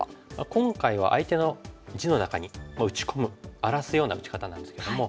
今回は相手の地の中に打ち込む荒らすような打ち方なんですけども。